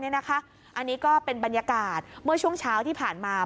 อันนี้ก็เป็นบรรยากาศเมื่อช่วงเช้าที่ผ่านมา